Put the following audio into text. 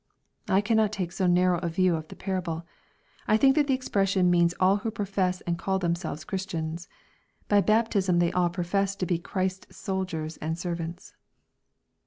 I cannot take 8o narrow a view of the parable. I think that the expression means all who profess and call themselves Chris tians. By baptism they all profess to be Christ's soldiers and ser vants.